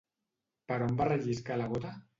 Per on va relliscar la gota?